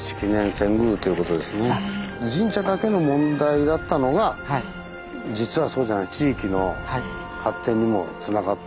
神社だけの問題だったのが実はそうじゃない地域の発展にもつながってるってことですね。